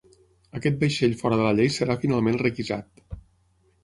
Aquest vaixell fora de la llei serà finalment requisat.